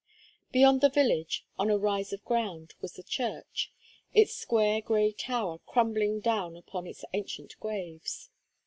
Beyond the village, on a rise of ground, was the church, its square gray tower crumbling down upon its ancient graves.